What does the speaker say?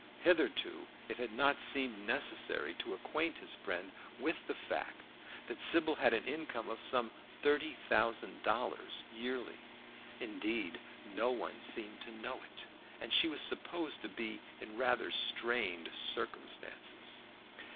Hitherto it had not seemed necessary to acquaint his friend with the fact that Sybil had an income of some thirty thousand dollars yearly indeed, no one seemed to know it, and she was supposed to be in rather straitened circumstances.